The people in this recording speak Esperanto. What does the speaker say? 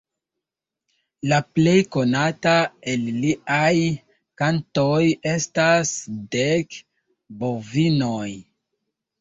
La plej konata el liaj kantoj estas Dek bovinoj.